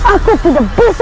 aku tidak bisa